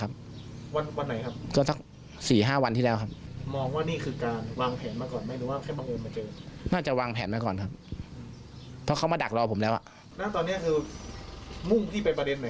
หน้าตอนนี้คือมุ่งที่เป็นประเด็นไหนครับที่ว่าทำไมถึงมีคนมาดักเอาชีวิตเราขนาดนี้